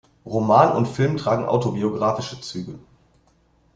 Roman und Film tragen autobiografische Züge.